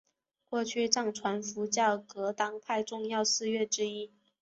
过去是藏传佛教噶当派重要寺院之一。